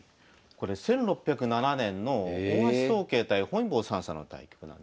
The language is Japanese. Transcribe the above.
これ１６０７年の大橋宗桂対本因坊算砂の対局なんですね。